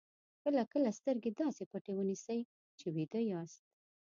کله کله سترګې داسې پټې ونیسئ چې ویده یاست.